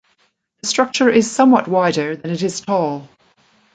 The structure is somewhat wider than it is tall.